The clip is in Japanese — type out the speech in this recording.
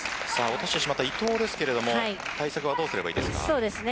落としてしまった伊藤ですけど対策はどうすればいいですか。